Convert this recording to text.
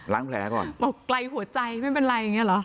แผลก่อนบอกไกลหัวใจไม่เป็นไรอย่างเงี้เหรอ